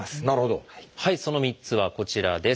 その３つはこちらです。